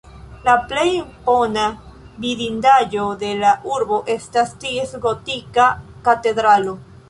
La plej impona vidindaĵo de la urbo estas ties gotika katedralo.